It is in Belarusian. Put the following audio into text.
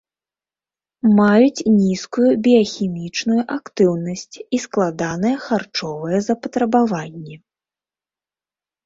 Маюць нізкую біяхімічную актыўнасць і складаныя харчовыя запатрабаванні.